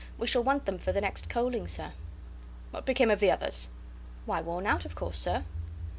"We shall want them for the next coaling, sir." "What became of the others?" "Why, worn out of course, sir."